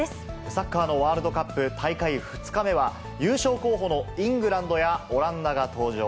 サッカーのワールドカップ大会２日目は、優勝候補のイングランドやオランダが登場。